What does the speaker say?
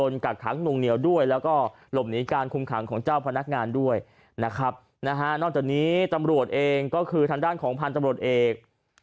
นอกจากนี้ตำรวจเองก็คือทางด้านของพันธุ์ตำรวจเอก